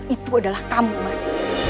itu adalah kamu mas